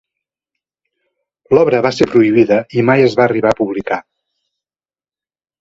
L'obra va ser prohibida i mai es va arribar a publicar.